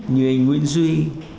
như anh nguyễn duy